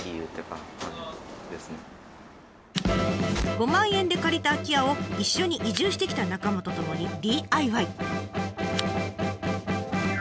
５万円で借りた空き家を一緒に移住してきた仲間とともにＤＩＹ。